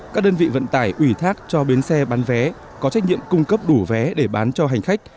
các đơn vị vận tải ủy thác cho bến xe bán vé có trách nhiệm cung cấp đủ vé để bán cho hành khách